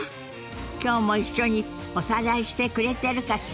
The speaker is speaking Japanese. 今日も一緒におさらいしてくれてるかしら？